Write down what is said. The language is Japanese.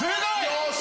よし！